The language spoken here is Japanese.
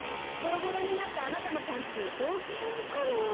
ボロボロになったあなたのパンツをぞうきんにしたの。